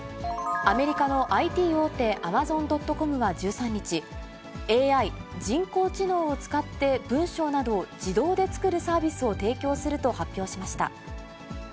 アメリカのＩＴ大手、アマゾン・ドット・コムは１３日、ＡＩ・人工知能を使って文章などを自動で作るサービスを提供すると発表しました。